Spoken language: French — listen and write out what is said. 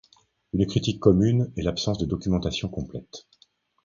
Une critique commune est l'absence de documentation complète.